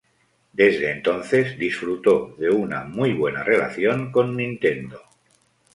Desde entonces disfrutó de una muy buena relación con Nintendo.